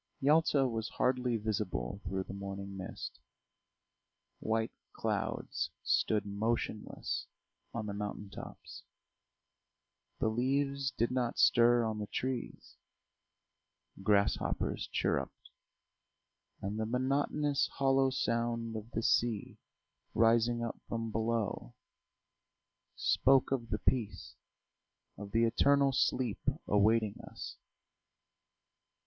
Yalta was hardly visible through the morning mist; white clouds stood motionless on the mountain tops. The leaves did not stir on the trees, grasshoppers chirruped, and the monotonous hollow sound of the sea rising up from below, spoke of the peace, of the eternal sleep awaiting us.